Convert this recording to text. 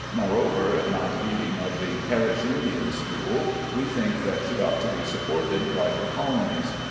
Moreover, not being of the "Perish India" school, we think that she ought to be supported by her colonies.